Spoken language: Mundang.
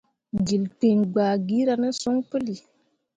Jilkpiŋ gbah gira ne son puli.